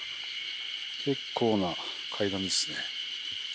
結構な階段ですね。